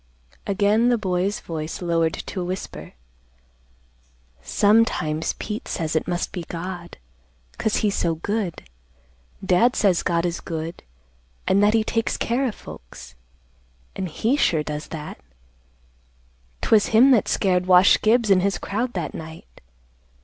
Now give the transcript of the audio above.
Again the boy's voice lowered to a whisper, "Sometimes Pete says it must be God, 'cause he's so good. Dad says God is good an' that he takes care of folks, an' he sure does that. 'Twas him that scared Wash Gibbs an' his crowd that night.